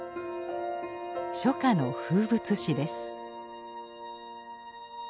初夏の風物詩です。